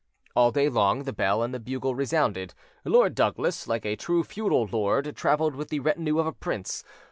All day long the bell and the bugle resounded: Lord Douglas, like a true feudal lord, travelled with the retinue of a prince.